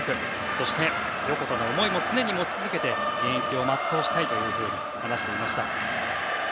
そして、横田の思いも常に持ち続けて現役を全うしたいと話していました。